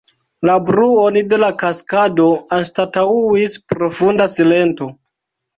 La bruon de la kaskado anstataŭis profunda silento.